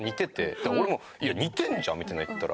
で俺も「似てんじゃん」みたいな言ったら。